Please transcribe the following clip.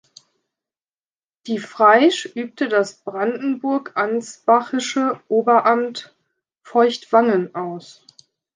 Die Fraisch übte das brandenburg-ansbachische Oberamt Feuchtwangen aus.